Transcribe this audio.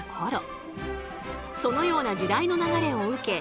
そのような時代の流れを受け